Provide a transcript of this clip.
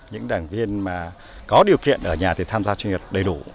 những đảng viên mà có điều kiện ở nhà thì tham gia chuyên nghiệp đầy đủ